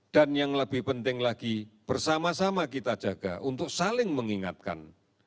dan yang lebih penting lagi bersama sama kita jaga untuk saling mengingatkan